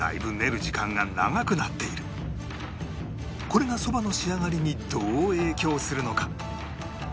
これがそばの仕上がりにどう影響するのか？